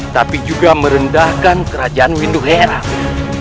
tapi juga merendahkan kerajaan windu heran